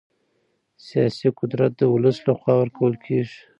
سیاسي قدرت د ولس له خوا ورکول کېږي